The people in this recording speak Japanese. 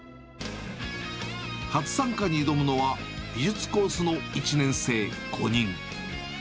初参加に挑むのは、美術コースの１年生５人。